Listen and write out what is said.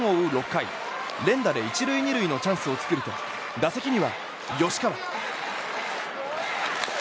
６回、連打で１塁２塁のチャンスを作ると打席には吉川。